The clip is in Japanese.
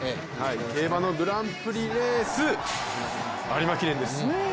競馬のグランプリレース、有馬記念です。